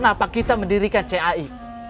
kenapa kita mendirikan cai